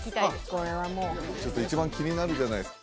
これはもう一番気になるじゃないですか